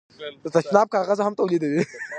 د تشناب کاغذ هم تولیدوي.